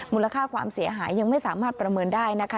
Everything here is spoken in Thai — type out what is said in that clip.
มูลค่าความเสียหายยังไม่สามารถประเมินได้นะคะ